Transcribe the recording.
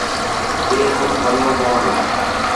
ٻئي ملڪ وڃڻو پوندو